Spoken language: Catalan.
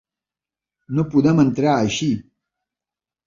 No podem entrar així!